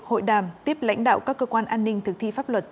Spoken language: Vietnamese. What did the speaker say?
hội đàm tiếp lãnh đạo các cơ quan an ninh